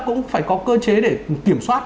cũng phải có cơ chế để kiểm soát